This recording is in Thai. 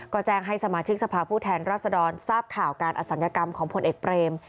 ก็แจ้งให้สมาชิกสภาพผู้แทนรัศดรทราบข่าวการอศัลยกรรมของผลเอกเปรม